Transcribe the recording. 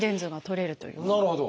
なるほど。